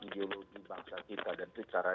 ideologi bangsa kita dan secara